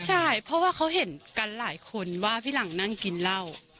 ใช่เพราะว่าเขาเห็นกันหลายคนว่าพี่หลังนั่งกินเหล้า